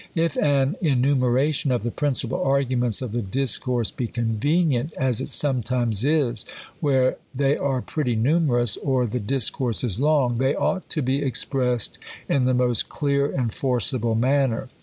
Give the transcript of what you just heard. If an enumeration of the principal arguments of the discourse be convenient, as it some times is, where they are pretty numerous, or the dis course is long, they ought to be expressed in the most clear and forcible manner.